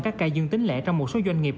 các ca dương tính lại trong một số doanh nghiệp